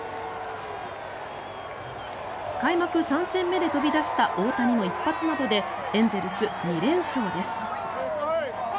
開幕３戦目で飛び出した大谷の一発などでエンゼルス、２連勝です。